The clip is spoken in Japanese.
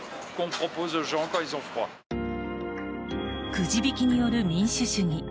くじ引きによる民主主義。